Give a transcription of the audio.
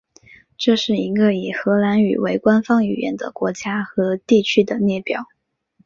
这是一个以荷兰语为官方语言的国家和地区的列表。